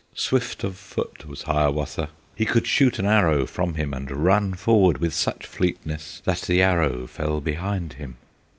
Swift of foot was Hiawatha; He could shoot an arrow from him, And run forward with such fleetness, That the arrow fell behind him!